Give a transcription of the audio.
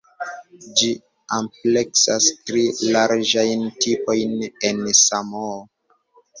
Ĝi ampleksas tri larĝajn tipojn en Samoo.